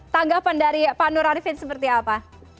tanggapan dari pak nur arifin seperti apa